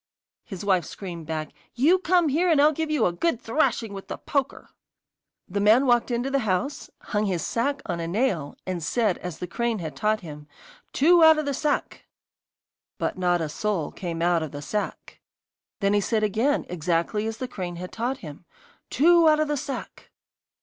His wife screamed back: 'You come here, and I'll give you a good thrashing with the poker!' The man walked into the house, hung his sack on a nail, and said, as the crane had taught him: 'Two out of the sack!' But not a soul came out of the sack. Then he said again, exactly as the crane had taught him: 'Two out of the sack!